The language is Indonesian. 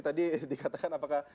tadi dikatakan apakah